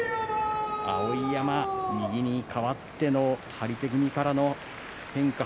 碧山、右に変わっての張り手気味からの変化